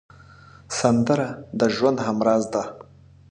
سندره د ژوند همراز ده